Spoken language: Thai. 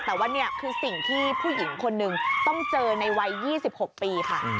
แต่ว่านี่คือสิ่งที่ผู้หญิงคนหนึ่งต้องเจอในวัย๒๖ปีค่ะ